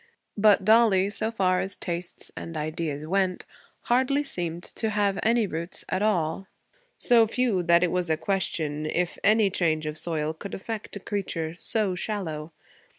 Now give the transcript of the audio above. But Dollie, so far as tastes and ideas went, hardly seemed to have any roots at all; so few that it was a question if any change of soil could affect a creature so shallow.